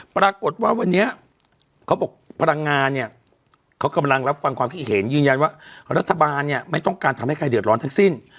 ปรากฏว่าวันนี้เขาบอกพลังงานเนี่ยเขากำลังรับฟังความคิดเห็นยืนยันว่ารัฐบาลเนี่ยไม่ต้องการทำให้ใครเดือดร้อนทั้งสิ้น